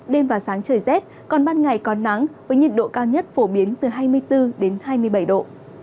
đêm và sáng trời rét còn ban ngày có nắng với nhiệt độ cao nhất phổ biến từ hai mươi bốn hai mươi bảy độ